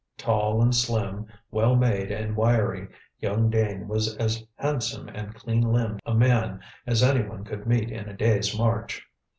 Tall and slim, well made and wiry, young Dane was as handsome and clean limbed a man as anyone could meet in a day's march.